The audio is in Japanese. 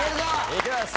いきます！